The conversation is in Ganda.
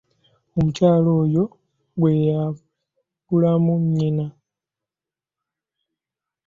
Omukyala oyo gwe yabbulamu nnyina.